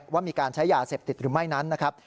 ว่ามีการใช้ยาเสพติดหรือไม่นั้นนะครับ